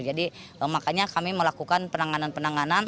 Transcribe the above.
jadi makanya kami melakukan penanganan penanganan